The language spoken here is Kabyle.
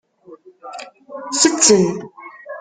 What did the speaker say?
Ttetten.